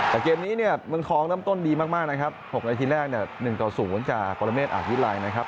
แต่เกมนี้เมืองทองเริ่มต้นดีมากนะครับ๖นาทีแรก๑๐จากประเมศอาทวิทยาลัยนะครับ